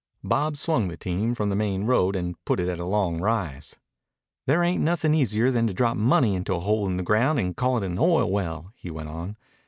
Bob swung the team from the main road and put it at a long rise. "There ain't nothin' easier than to drop money into a hole in the ground and call it an oil well," he went on.